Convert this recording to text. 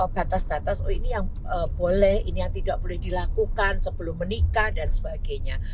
batas batas oh ini yang boleh ini yang tidak boleh dilakukan sebelum menikah dan sebagainya